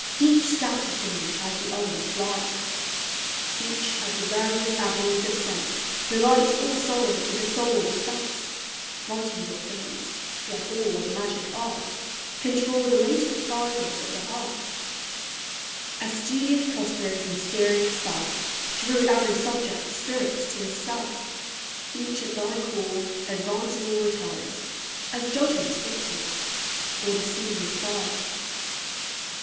Each stamps its image as the other flies ! Each, as the various avenues of sense Delight or sorrow to the soul dispense, Brightens or fades ; yet all, with magic art, Control the latent fibres of the heart: As studious Prospero'a mysterious spell Drew every subject spirit to his cell, Each, at thy call, advances or retires, As judgment dictates, or the scene inspires. 801 302 POEMS OF SENTIMENT.